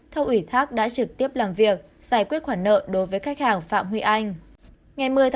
theo ủy thác đã trực tiếp làm việc giải quyết khoản nợ đối với khách hàng phạm huy anh